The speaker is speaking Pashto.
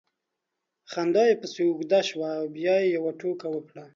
خندا یې پسې اوږده سوه او بیا یې یوه ټوکه وکړه